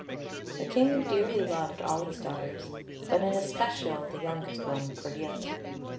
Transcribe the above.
The King dearly loved all his daughters, but in especial the youngest one, Cordelia.